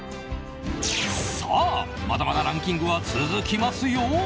さあ、まだまだランキングは続きますよ。